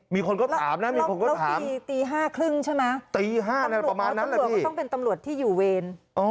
มีคนก็ถามนะมีคนก็ถามแล้วตีห้าครึ่งใช่ไหมตีห้าประมาณนั้นแหละสิตำรวจก็ต้องเป็นตำรวจที่อยู่เวร